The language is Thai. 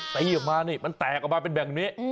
ตีออกมานี่มันแตกออกมาเป็นแบบนี้